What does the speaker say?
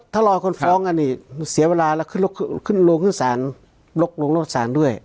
ถ้ารอคนฟ้องฟ้องอันนี้เสียเวลานะก็ลงลดสารด้วย